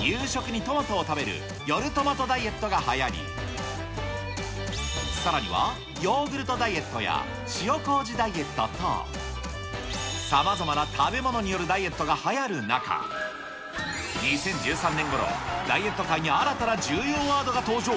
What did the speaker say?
夕食にトマトを食べる夜トマトダイエットがはやり、さらにはヨーグルトダイエットや、塩こうじダイエット等、さまざまな食べ物によるダイエットがはやる中、２０１３年ごろ、ダイエット界に新たな重要ワードが登場。